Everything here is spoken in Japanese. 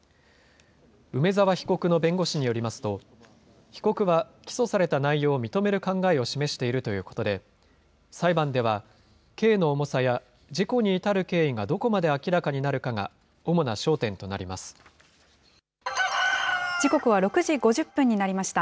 梅澤被告の弁護士によりますと、被告は起訴された内容を認める考えを示しているということで、裁判では、刑の重さや、事故に至る経緯がどこまで明らかになるかが、時刻は６時５０分になりました。